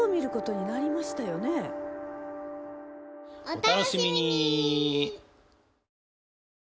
お楽しみに！